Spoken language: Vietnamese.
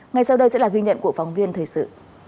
ngay sau đây sẽ là ghi nhận của phóng viên thời sự